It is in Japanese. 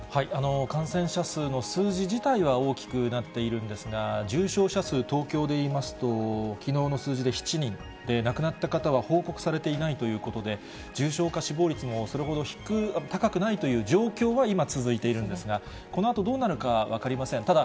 感染者数の数字自体は大きくなっているんですが、重症者数、東京でいいますと、きのうの数字で７人、亡くなった方は報告されていないということで、重症化、死亡率もそれほど高くないという状況は今続いているんですが、このあとどうなるか分かりません。